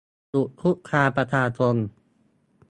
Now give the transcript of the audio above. หยุดคุกคามประชาชน